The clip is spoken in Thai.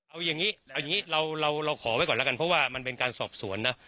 เอาอย่างนี้เอาอย่างนี้เราขอไว้ก่อนแล้วกันเพราะว่ามันเป็นการสอบสวนนะ